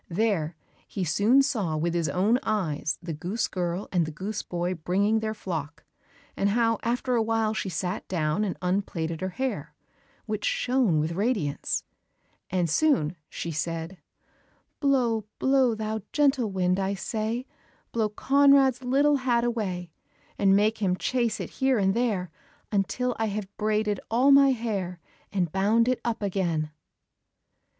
There he soon saw with his own eyes the goose girl and the goose boy bringing their flock, and how after a while she sat down and unplaited her hair, which shone with radiance. And soon she said, "Blow, blow, thou gentle wind, I say, Blow Conrad's little hat away, And make him chase it here and there, Until I have braided all my hair, And bound it up again."